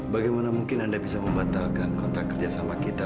bagaimana mungkin anda bisa membatalkan kontrak kerja sama kita